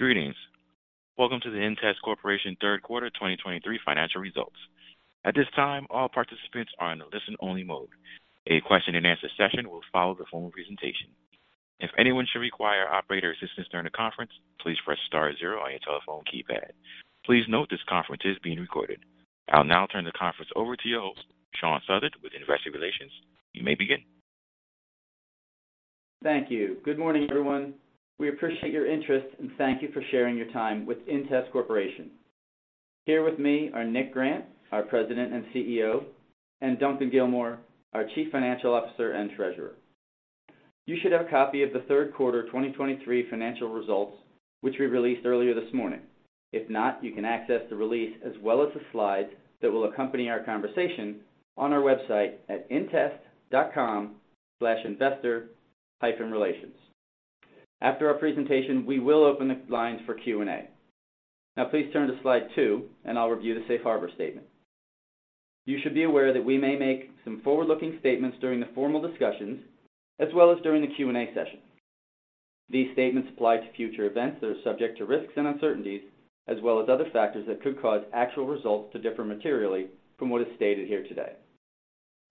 Greetings. Welcome to the inTEST Corporation Q3 2023 financial results. At this time, all participants are in a listen-only mode. A question-and-answer session will follow the formal presentation. If anyone should require operator assistance during the conference, please press star zero on your telephone keypad. Please note this conference is being recorded. I'll now turn the conference over to your host, Shawn Suddes, with Investor Relations. You may begin. Thank you. Good morning, everyone. We appreciate your interest, and thank you for sharing your time with inTEST Corporation. Here with me are Nick Grant, our President and CEO, and Duncan Gilmour, our Chief Financial Officer and Treasurer. You should have a copy of Q3 2023 financial results, which we released earlier this morning. If not, you can access the release as well as the slides that will accompany our conversation on our website at intest.com/investor-relations. After our presentation, we will open the lines for Q&A. Now please turn to Slide 2, and I'll review the safe harbor statement. You should be aware that we may make some forward-looking statements during the formal discussions as well as during the Q&A session. These statements apply to future events that are subject to risks and uncertainties, as well as other factors that could cause actual results to differ materially from what is stated here today.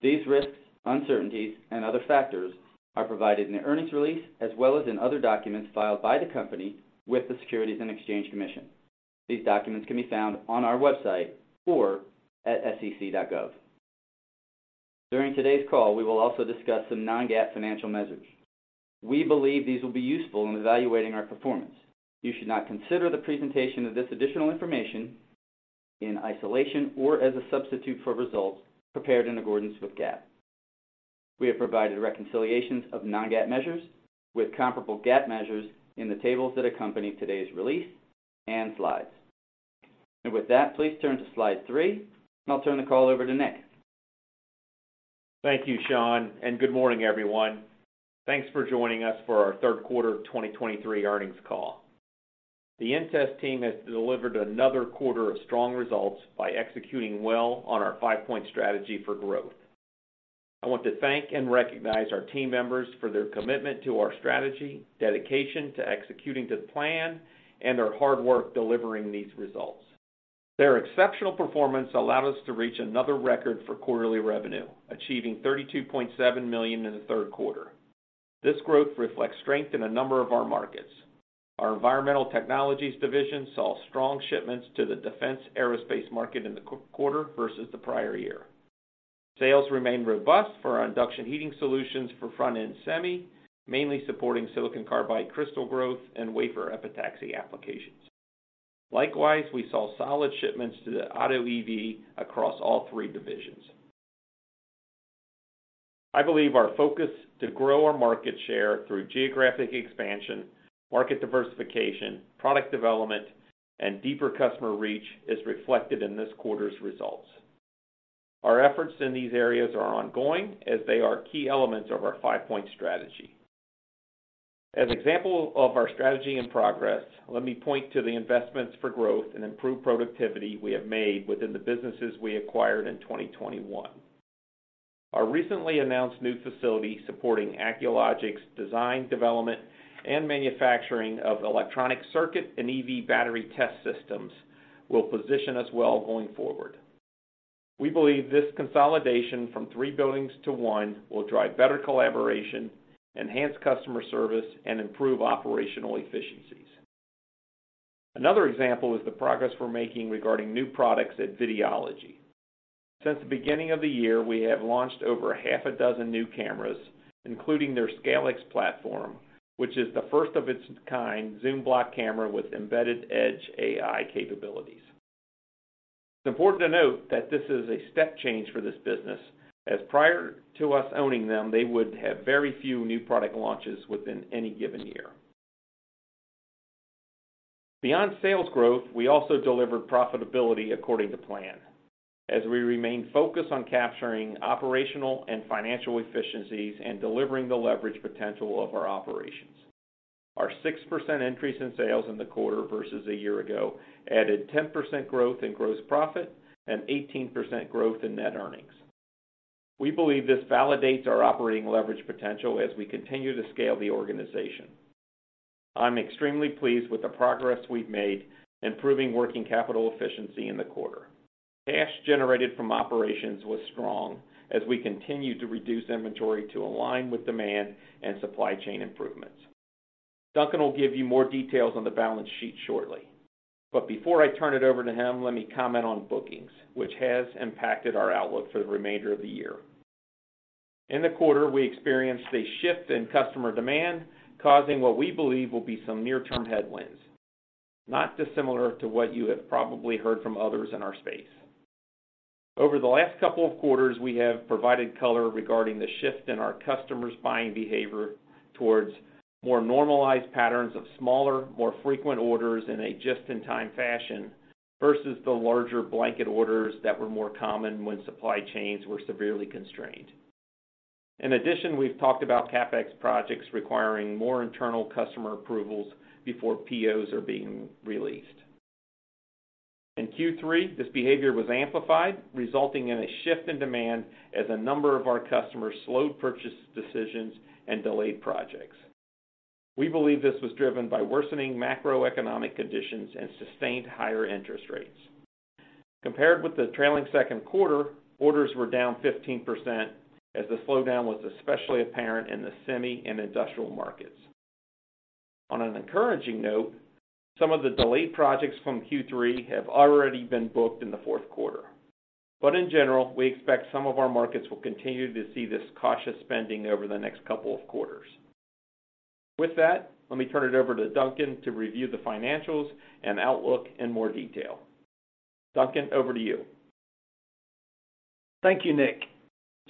These risks, uncertainties, and other factors are provided in the earnings release as well as in other documents filed by the company with the Securities and Exchange Commission. These documents can be found on our website or at sec.gov. During today's call, we will also discuss some non-GAAP financial measures. We believe these will be useful in evaluating our performance. You should not consider the presentation of this additional information in isolation or as a substitute for results prepared in accordance with GAAP. We have provided reconciliations of non-GAAP measures with comparable GAAP measures in the tables that accompany today's release and slides. With that, please turn to Slide 3, and I'll turn the call over to Nick. Thank you, Shawn, and good morning, everyone. Thanks for joining us for our Q3 of 2023 earnings call. The inTEST team has delivered another quarter of strong results by executing well on our five-point strategy for growth. I want to thank and recognize our team members for their commitment to our strategy, dedication to executing the plan, and their hard work delivering these results. Their exceptional performance allowed us to reach another record for quarterly revenue, achieving $32.7 million in Q3. This growth reflects strength in a number of our markets. Our Environmental Technologies division saw strong shipments to the defense aerospace market in Q3 versus the prior year. Sales remained robust for our induction heating solutions for front-end semi, mainly supporting silicon carbide crystal growth and wafer epitaxy applications. Likewise, we saw solid shipments to the auto EV across all three divisions. I believe our focus to grow our market share through geographic expansion, market diversification, product development, and deeper customer reach is reflected in this quarter's results. Our efforts in these areas are ongoing, as they are key elements of our five-point strategy. As example of our strategy and progress, let me point to the investments for growth and improved productivity we have made within the businesses we acquired in 2021. Our recently announced new facility supporting Acculogic design, development, and manufacturing of electronic circuit and EV battery test systems will position us well going forward. We believe this consolidation from three buildings to one will drive better collaboration, enhance customer service, and improve operational efficiencies. Another example is the progress we're making regarding new products at Videology. Since the beginning of the year, we have launched over half a dozen new cameras, including their SCAiLX platform, which is the first of its kind zoom block camera with embedded Edge AI capabilities. It's important to note that this is a step change for this business, as prior to us owning them, they would have very few new product launches within any given year. Beyond sales growth, we also delivered profitability according to plan, as we remain focused on capturing operational and financial efficiencies and delivering the leverage potential of our operations. Our 6% increase in sales in the quarter versus a year ago added 10% growth in gross profit and 18% growth in net earnings. We believe this validates our operating leverage potential as we continue to scale the organization. I'm extremely pleased with the progress we've made improving working capital efficiency in the quarter. Cash generated from operations was strong as we continued to reduce inventory to align with demand and supply chain improvements. Duncan will give you more details on the balance sheet shortly, but before I turn it over to him, let me comment on bookings, which has impacted our outlook for the remainder of the year. In the quarter, we experienced a shift in customer demand, causing what we believe will be some near-term headwinds, not dissimilar to what you have probably heard from others in our space. Over the last couple of quarters, we have provided color regarding the shift in our customers' buying behavior towards more normalized patterns of smaller, more frequent orders in a just-in-time fashion versus the larger blanket orders that were more common when supply chains were severely constrained. In addition, we've talked about CapEx projects requiring more internal customer approvals before POs are being released. In Q3, this behavior was amplified, resulting in a shift in demand as a number of our customers slowed purchase decisions and delayed projects. We believe this was driven by worsening macroeconomic conditions and sustained higher interest rates. Compared with the trailing Q2, orders were down 15%, as the slowdown was especially apparent in the semi and industrial markets. On an encouraging note, some of the delayed projects from Q3 have already been booked in Q4. But in general, we expect some of our markets will continue to see this cautious spending over the next couple of quarters. With that, let me turn it over to Duncan to review the financials and outlook in more detail. Duncan, over to you. Thank you, Nick.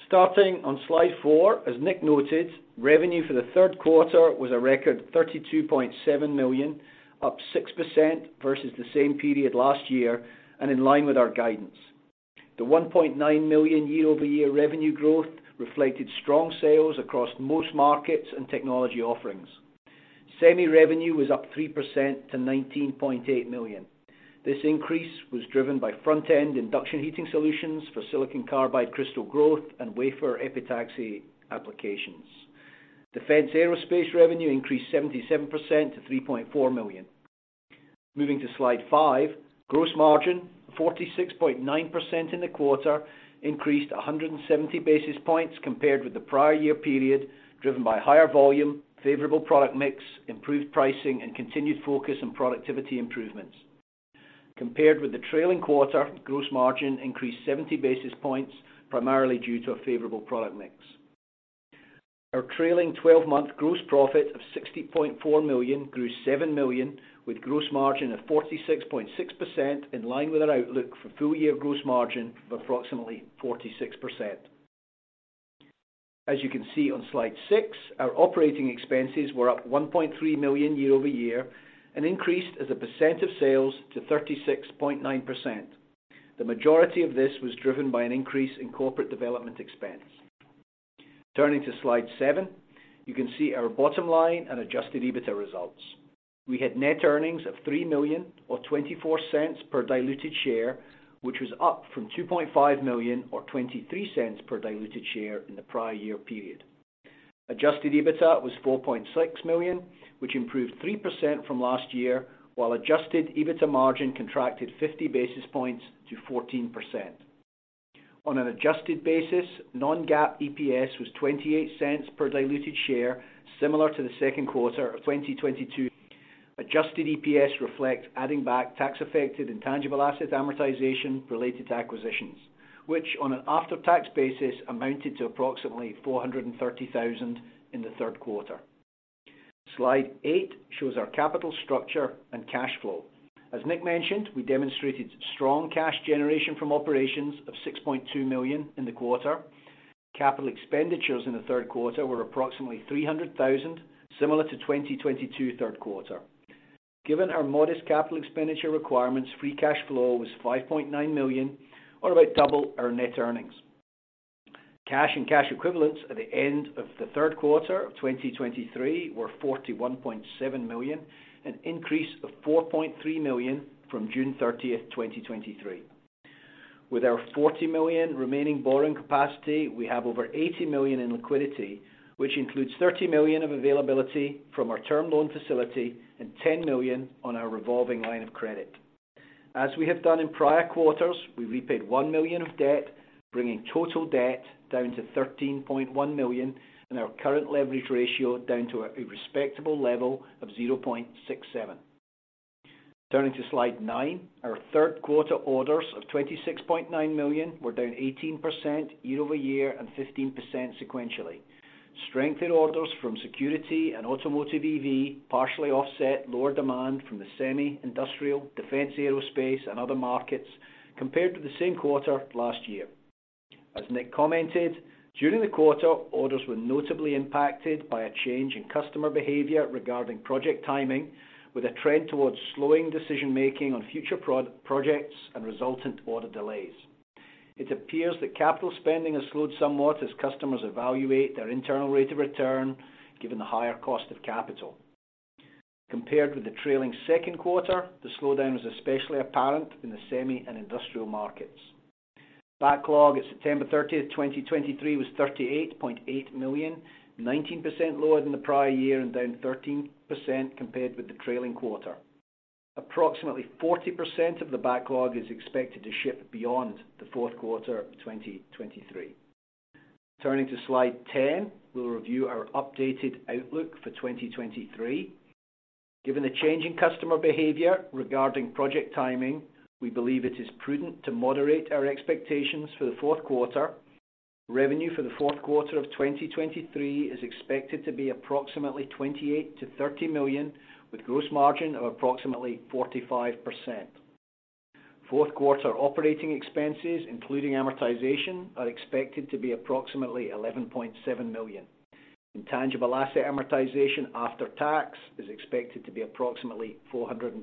Starting on Slide 4, as Nick noted, revenue for Q3 was a record $32.7 million, up 6% versus the same period last year, and in line with our guidance. The $1.9 million year-over-year revenue growth reflected strong sales across most markets and technology offerings. Semi revenue was up 3% to $19.8 million. This increase was driven by front-end induction heating solutions for silicon carbide crystal growth and wafer epitaxy applications. Defense Aerospace revenue increased 77% to $3.4 million. Moving to Slide 5, gross margin, 46.9% in the quarter, increased 170 basis points compared with the prior year period, driven by higher volume, favorable product mix, improved pricing, and continued focus on productivity improvements. Compared with the trailing quarter, gross margin increased 70 basis points, primarily due to a favorable product mix. Our trailing twelve-month gross profit of $60.4 million grew $7 million, with gross margin of 46.6%, in line with our outlook for full-year gross margin of approximately 46%. As you can see on Slide 6, our operating expenses were up $1.3 million year-over-year and increased as a percent of sales to 36.9%. The majority of this was driven by an increase in corporate development expense. Turning to Slide 7, you can see our bottom line and adjusted EBITDA results. We had net earnings of $3 million, or $0.24 per diluted share, which was up from $2.5 million, or $0.23 per diluted share in the prior year period. Adjusted EBITDA was $4.6 million, which improved 3% from last year, while adjusted EBITDA margin contracted 50 basis points to 14%. On an adjusted basis, non-GAAP EPS was $0.28 per diluted share, similar to Q2 of 2022. Adjusted EPS reflects adding back tax-affected intangible asset amortization related to acquisitions, which, on an after-tax basis, amounted to approximately $430,000 in Q3. Slide 8 shows our capital structure and cash flow. As Nick mentioned, we demonstrated strong cash generation from operations of $6.2 million in the quarter. Capital expenditures in Q3 were approximately $300,000, similar to 2022 Q3. Given our modest capital expenditure requirements, free cash flow was $5.9 million, or about double our net earnings. Cash and cash equivalents at the end of Q3 of 2023 were $41.7 million, an increase of $4.3 million from June 30, 2023. With our $40 million remaining borrowing capacity, we have over $80 million in liquidity, which includes $30 million of availability from our term loan facility and $10 million on our revolving line of credit. As we have done in prior quarters, we repaid $1 million of debt, bringing total debt down to $13.1 million, and our current leverage ratio down to a respectable level of 0.67. Turning to Slide 9, our Q3 orders of $26.9 million were down 18% year-over-year and 15% sequentially. Strength in orders from security and automotive EV partially offset lower demand from the semi-industrial, defense, aerospace, and other markets compared to the same quarter last year. As Nick commented, during the quarter, orders were notably impacted by a change in customer behavior regarding project timing, with a trend towards slowing decision-making on future projects and resultant order delays. It appears that capital spending has slowed somewhat as customers evaluate their internal rate of return, given the higher cost of capital. Compared with the trailing Q2, the slowdown was especially apparent in the semi and industrial markets. Backlog at September 30, 2023, was $38.8 million, 19% lower than the prior year and down 13% compared with the trailing quarter. Approximately 40% of the backlog is expected to ship beyond the Q4 of 2023. Turning to Slide 10, we'll review our updated outlook for 2023. Given the change in customer behavior regarding project timing, we believe it is prudent to moderate our expectations for the Q4. Revenue for the Q4 of 2023 is expected to be approximately $28 million-$30 million, with gross margin of approximately 45%. Q4 operating expenses, including amortization, are expected to be approximately $11.7 million. Intangible asset amortization after tax is expected to be approximately $430,000.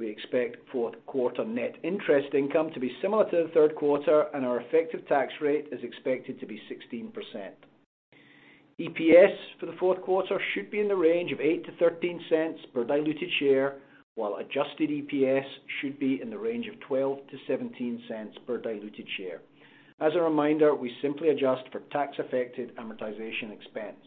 We expect Q4 net interest income to be similar to Q3, and our effective tax rate is expected to be 16%. EPS for the Q4 should be in the range of $0.08-$0.13 per diluted share, while adjusted EPS should be in the range of $0.12-$0.17 per diluted share. As a reminder, we simply adjust for tax-affected amortization expense.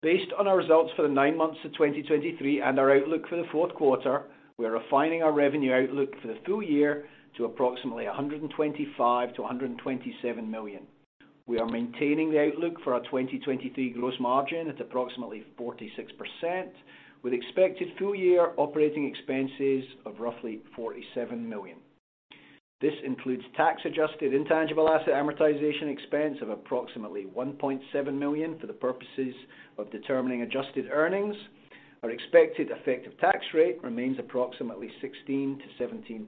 Based on our results for the 9 months of 2023 and our outlook for the Q4, we are refining our revenue outlook for the full year to approximately $125 million-$127 million. We are maintaining the outlook for our 2023 gross margin at approximately 46%, with expected full year operating expenses of roughly $47 million. This includes tax-adjusted intangible asset amortization expense of approximately $1.7 million for the purposes of determining adjusted earnings. Our expected effective tax rate remains approximately 16%-17%.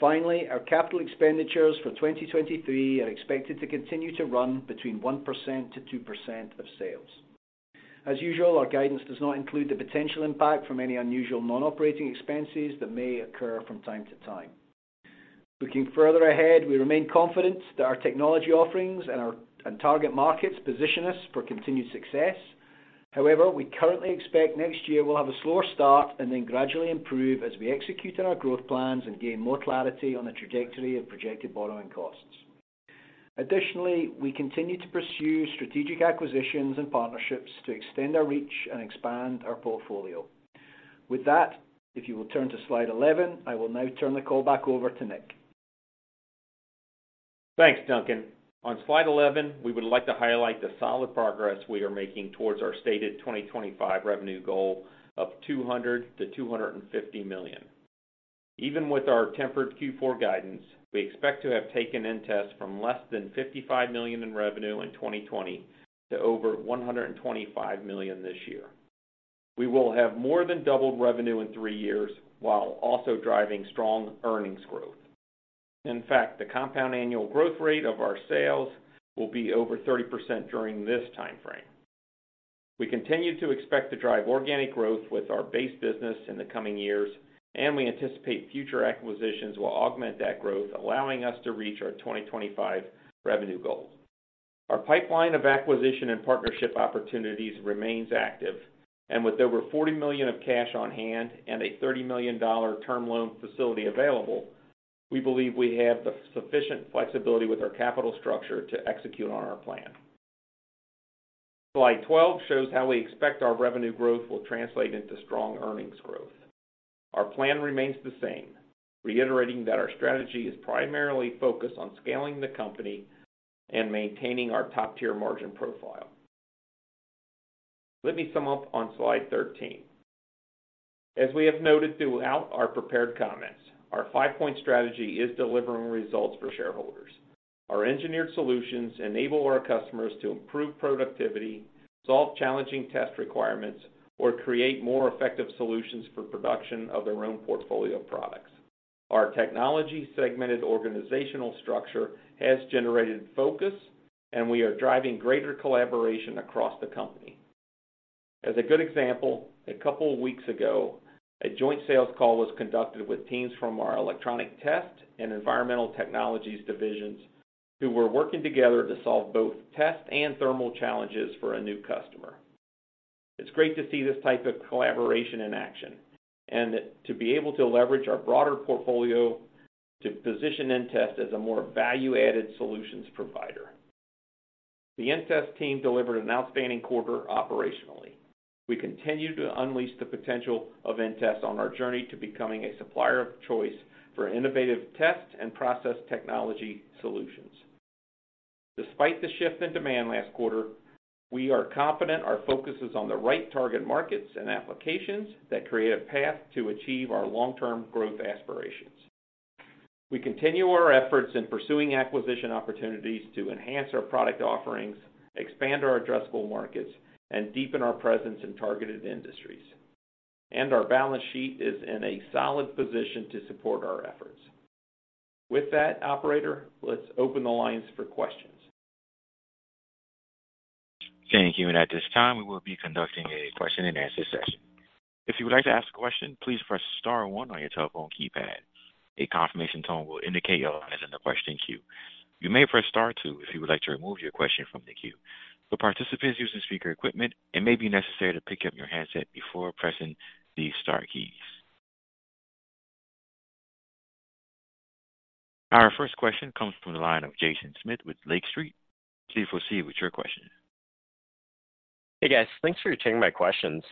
Finally, our capital expenditures for 2023 are expected to continue to run between 1%-2% of sales. As usual, our guidance does not include the potential impact from any unusual non-operating expenses that may occur from time to time. Looking further ahead, we remain confident that our technology offerings and our target markets position us for continued success. However, we currently expect next year will have a slower start and then gradually improve as we execute on our growth plans and gain more clarity on the trajectory of projected borrowing costs. Additionally, we continue to pursue strategic acquisitions and partnerships to extend our reach and expand our portfolio. With that, if you will turn to Slide 11, I will now turn the call back over to Nick. Thanks, Duncan. On Slide 11, we would like to highlight the solid progress we are making towards our stated 2025 revenue goal of $200 million-$250 million. Even with our tempered Q4 guidance, we expect to have taken inTEST from less than $55 million in revenue in 2020 to over $125 million this year. We will have more than doubled revenue in three years, while also driving strong earnings growth. In fact, the compound annual growth rate of our sales will be over 30% during this time frame. We continue to expect to drive organic growth with our base business in the coming years, and we anticipate future acquisitions will augment that growth, allowing us to reach our 2025 revenue goals. Our pipeline of acquisition and partnership opportunities remains active, and with over $40 million of cash on hand and a $30 million term loan facility available, we believe we have the sufficient flexibility with our capital structure to execute on our plan. Slide 12 shows how we expect our revenue growth will translate into strong earnings growth. Our plan remains the same, reiterating that our strategy is primarily focused on scaling the company and maintaining our top-tier margin profile. Let me sum up on Slide 13. As we have noted throughout our prepared comments, our five-point strategy is delivering results for shareholders. Our engineered solutions enable our customers to improve productivity, solve challenging test requirements, or create more effective solutions for production of their own portfolio of products. Our technology segmented organizational structure has generated focus, and we are driving greater collaboration across the company. As a good example, a couple of weeks ago, a joint sales call was conducted with teams from our Electronic Test and Environmental Technologies divisions, who were working together to solve both test and thermal challenges for a new customer. It's great to see this type of collaboration in action, and to be able to leverage our broader portfolio to position inTEST as a more value-added solutions provider. The inTEST team delivered an outstanding quarter operationally. We continue to unleash the potential of inTEST on our journey to becoming a supplier of choice for innovative test and process technology solutions. Despite the shift in demand last quarter, we are confident our focus is on the right target markets and applications that create a path to achieve our long-term growth aspirations. We continue our efforts in pursuing acquisition opportunities to enhance our product offerings, expand our addressable markets, and deepen our presence in targeted industries. Our balance sheet is in a solid position to support our efforts. With that, operator, let's open the lines for questions. Thank you. At this time, we will be conducting a question-and-answer session. If you would like to ask a question, please press star one on your telephone keypad. A confirmation tone will indicate you are in the question queue. You may press star two if you would like to remove your question from the queue. For participants using speaker equipment, it may be necessary to pick up your handset before pressing the star keys. Our first question comes from the line of Jaeson Schmidt with Lake Street. Please proceed with your question. Hey, guys. Thanks for taking my questions.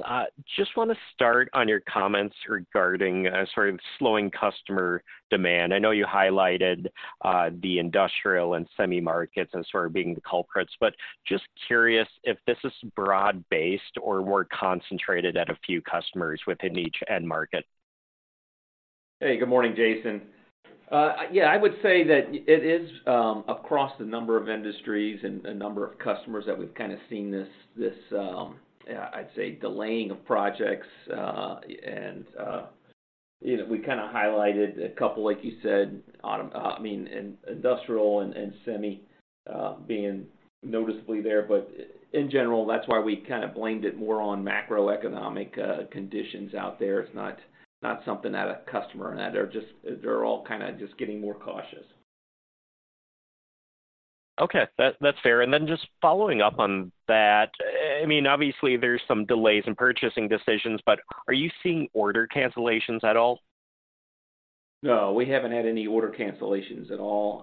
Just want to start on your comments regarding sort of slowing customer demand. I know you highlighted the industrial and semi markets as sort of being the culprits, but just curious if this is broad-based or more concentrated at a few customers within each end market? Hey, good morning, Jaeson. Yeah, I would say that it is across the number of industries and the number of customers that we've kind of seen this. I'd say, delaying of projects, and you know, we kinda highlighted a couple, like you said, I mean, in industrial and semi, being noticeably there. But in general, that's why we kind of blamed it more on macroeconomic conditions out there. It's not something that a customer and that they're all kind of just getting more cautious. Okay, that, that's fair. Then just following up on that, I mean, obviously, there's some delays in purchasing decisions, but are you seeing order cancellations at all? No, we haven't had any order cancellations at all.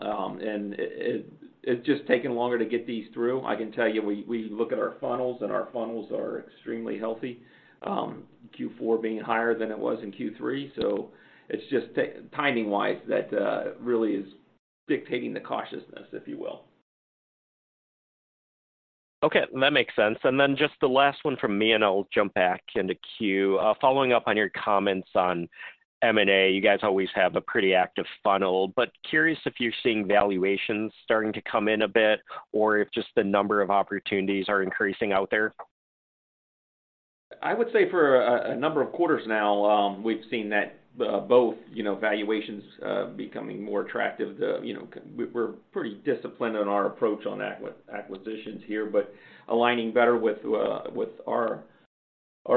It's just taking longer to get these through. I can tell you, we look at our funnels, and our funnels are extremely healthy. Q4 being higher than it was in Q3, so it's just timing-wise that really is dictating the cautiousness, if you will. Okay, that makes sense. Then just the last one from me, and I'll jump back in the queue. Following up on your comments on M&A, you guys always have a pretty active funnel, but curious if you're seeing valuations starting to come in a bit or if just the number of opportunities are increasing out there? I would say for a number of quarters now, we've seen that both, you know, valuations becoming more attractive. We're pretty disciplined in our approach on acquisitions here, but aligning better with our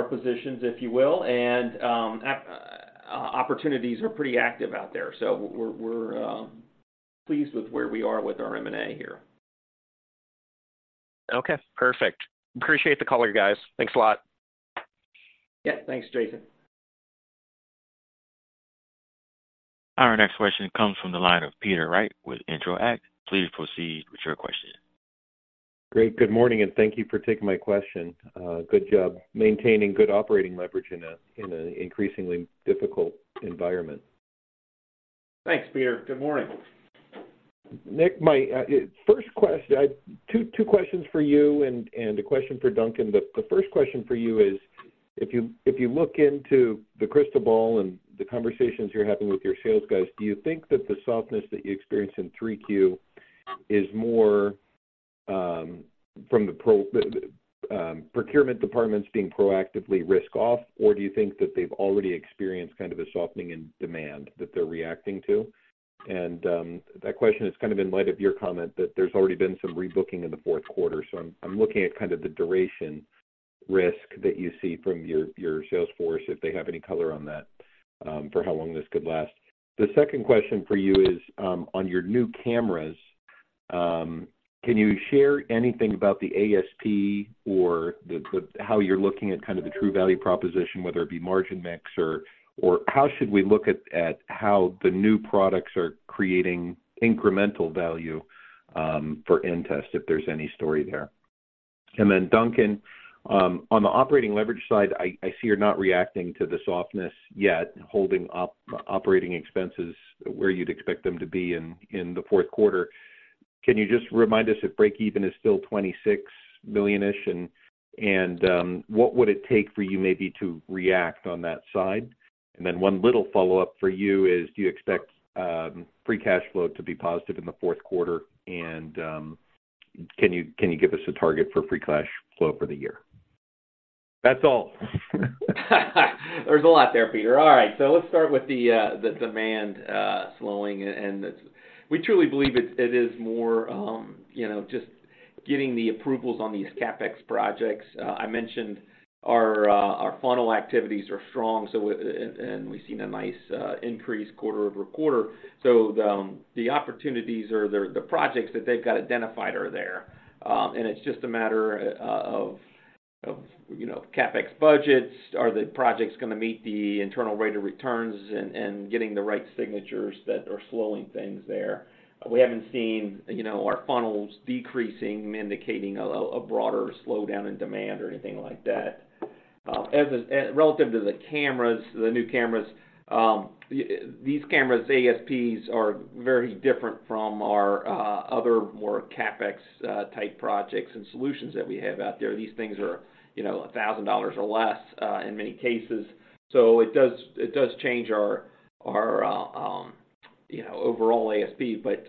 positions, if you will, and opportunities are pretty active out there. We're pleased with where we are with our M&A here. Okay, perfect. Appreciate the color, you guys. Thanks a lot. Yeah. Thanks, Jaeson. Our next question comes from the line of Peter Wright with Intro-act. Please proceed with your question. Great. Good morning, and thank you for taking my question. Good job maintaining good operating leverage in an increasingly difficult environment. Thanks, Peter. Good morning. Nick, my first two questions for you and a question for Duncan. The first question for you is, if you look into the crystal ball and the conversations you're having with your sales guys, do you think that the softness that you experienced in Q3 is more from the procurement departments being proactively risked off? Or do you think that they've already experienced kind of a softening in demand that they're reacting to? That question is kind of in light of your comment that there's already been some rebooking in the Q4. I'm looking at kind of the duration risk that you see from your sales force, if they have any color on that, for how long this could last. The second question for you is, on your new cameras, can you share anything about the ASP or the how you're looking at kind of the true value proposition, whether it be margin mix or how should we look at, at how the new products are creating incremental value, for inTEST, if there's any story there? Then, Duncan, on the operating leverage side, I see you're not reacting to the softness yet, holding operating expenses where you'd expect them to be in the Q4. Can you just remind us if breakeven is still $26 million-ish? What would it take for you maybe to react on that side? Then one little follow-up for you is: Do you expect free cash flow to be positive in the Q4? Can you give us a target for Free Cash Flow for the year? That's all. There's a lot there, Peter. All right, so let's start with the demand slowing, and it's we truly believe it is more just getting the approvals on these CapEx projects. I mentioned our funnel activities are strong, so we've seen a nice increase quarter-over-quarter. The opportunities or the projects that they've got identified are there, and it's just a matter of CapEx budgets. Are the projects gonna meet the internal rate of returns and getting the right signatures that are slowing things there? We haven't seen our funnels decreasing, indicating a broader slowdown in demand or anything like that. As relative to the cameras, the new cameras, these cameras, ASPs, are very different from our other more CapEx type projects and solutions that we have out there. These things are $1,000 or less in many cases. It does change our overall ASP, but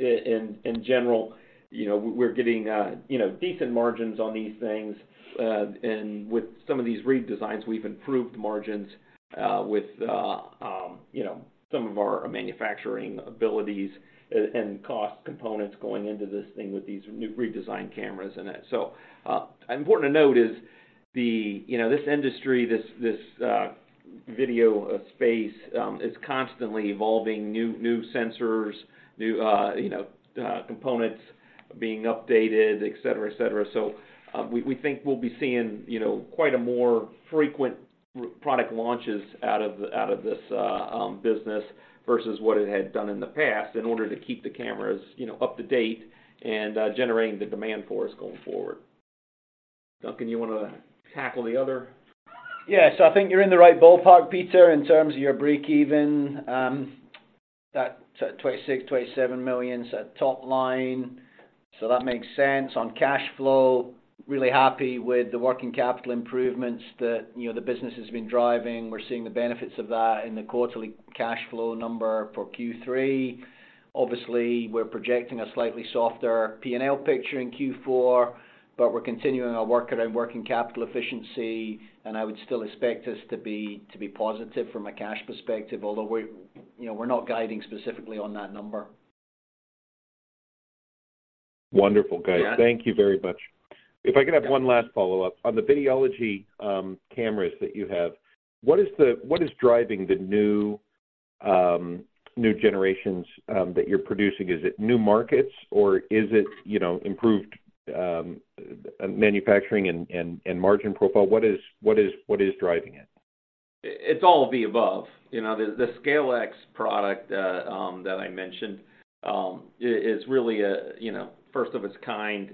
in general, we're getting you know decent margins on these things and with some of these redesigns, we've improved margins with you know some of our manufacturing abilities and cost components going into this thing with these new redesigned cameras in it. Important to note is this industry, this video space is constantly evolving, new sensors, new components being updated, etc. We think we'll be seeing, you know, quite a more frequent product launches out of this business versus what it had done in the past, in order to keep the cameras up to date and generating the demand for us going forward. Duncan, you want to tackle the other? Yeah. I think you're in the right ballpark, Peter, in terms of your break even, that $26 million-$27 million is at top line, so that makes sense. On cash flow, really happy with the working capital improvements that the business has been driving. We're seeing the benefits of that in the quarterly cash flow number for Q3. Obviously, we're projecting a slightly softer P&L picture in Q4, but we're continuing our work around working capital efficiency, and I would still expect this to be positive from a cash perspective, although we're not guiding specifically on that number. Wonderful, guys. Thank you very much. If I could have one last follow-up. On the Videology cameras that you have, what is driving the new generations that you're producing? Is it new markets, or is it improved manufacturing and margin profile? What is driving it? It's all of the above. The SCAiLX product that I mentioned is really a, you know, first of its kind,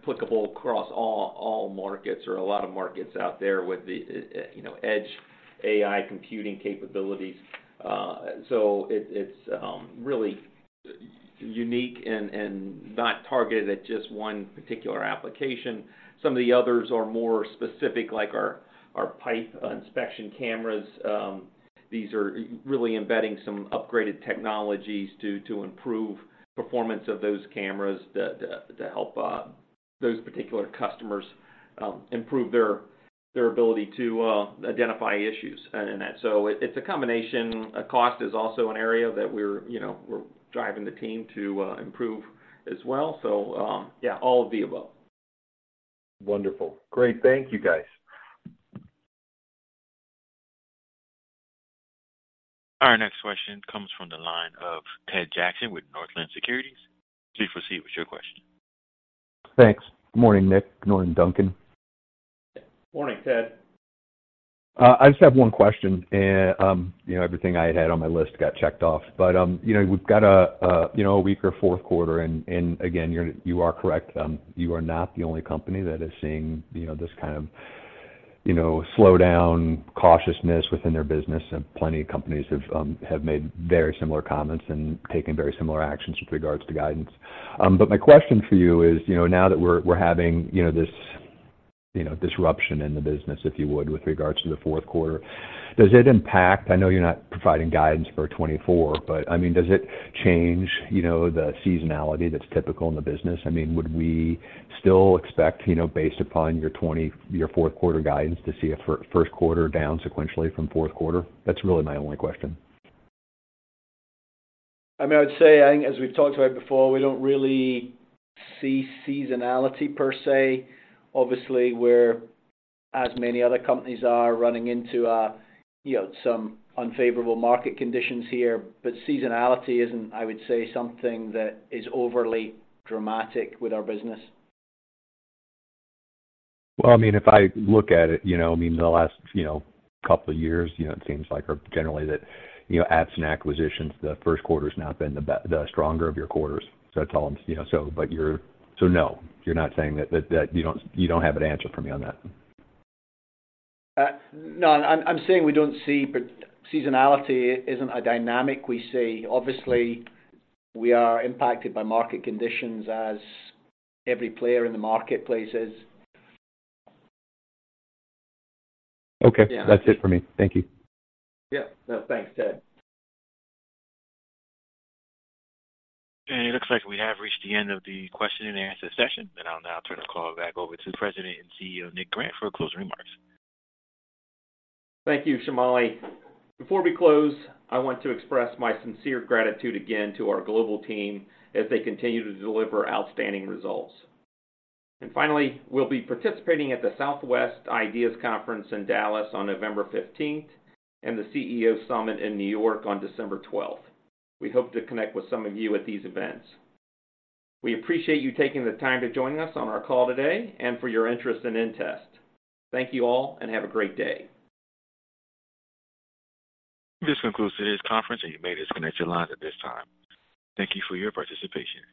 applicable across all markets or a lot of markets out there with the Edge AI computing capabilities. It's really unique and not targeted at just one particular application. Some of the others are more specific, like our pipe inspection cameras. These are really embedding some upgraded technologies to improve performance of those cameras to help those particular customers improve their ability to identify issues in that. It's a combination. Cost is also an area that we're, you know, we're driving the team to improve as well. Yeah, all of the above. Wonderful. Great. Thank you, guys. Our next question comes from the line of Ted Jackson with Northland Securities. Please proceed with your question. Thanks. Good morning, Nick. Good morning, Duncan. Morning, Ted. I just have one question, and everything I had had on my list got checked off. But we've got a weaker Q4, and again, you are correct, you are not the only company that is seeing this kind of slowdown, cautiousness within their business, and plenty of companies have have made very similar comments and taken very similar actions with regards to guidance. But my question for you is, now that we're having this disruption in the business, if you would, with regards to the Q4, does it impact... I know you're not providing guidance for 2024, but I mean, does it change the seasonality that's typical in the business? I mean, would we still expect based upon your Q4 guidance, to see a Q1 down sequentially from Q4? That's really my only question. I mean, I'd say, I think as we've talked about before, we don't really see seasonality per se. Obviously, we're, as many other companies are, running into some unfavorable market conditions here, but seasonality isn't, I would say, something that is overly dramatic with our business. Well, I mean, if I look at it, I mean, the last couple of years, you know, it seems like generally that adds and acquisitions, Q1's not been the stronger of your quarters. That's all. No, you're not saying that you don't have an answer for me on that? No, I'm saying we don't see, but seasonality isn't a dynamic we see. Obviously, we are impacted by market conditions as every player in the marketplace is. Okay. Yeah. That's it for me. Thank you. Yeah. No, thanks, Ted. It looks like we have reached the end of the question and answer session. I'll now turn the call back over to the President and CEO, Nick Grant, for closing remarks. Thank you, Shamali. Before we close, I want to express my sincere gratitude again to our global team as they continue to deliver outstanding results. Finally, we'll be participating at the Southwest IDEAS Conference in Dallas on November 15 and the CEO Summit in New York on December 12. We hope to connect with some of you at these events. We appreciate you taking the time to join us on our call today and for your interest in inTEST. Thank you all, and have a great day. This concludes today's conference, and you may disconnect your lines at this time. Thank you for your participation.